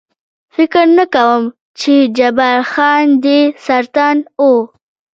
فکر نه کوم، چې جبار خان دې سرطان و.